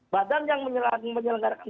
badan yang menyelenggarakan